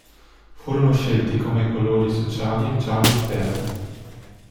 Furono scelti come colori sociali il giallo e il verde.